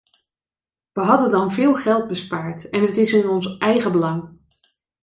Wij hadden dan veel geld bespaard, en het is in ons eigen belang.